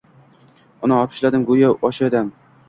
Uni opichladim, goʻyo oʻsha dam